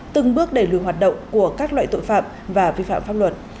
từng bước đẩy lùi hoạt động của các loại tội phạm và vi phạm pháp luật